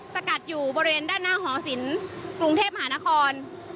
สกัดอยู่บริเวณด้านหน้าหอศิลป์กรุงเทพมหานคร